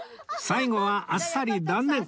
最後はあっさり断念！